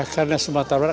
karena sumatera barat